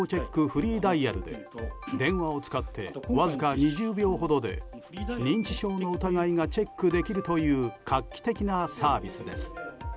フリーダイヤルで電話を使ってわずか２０秒ほどで認知症の疑いがチェックできるという画期的なサービスです。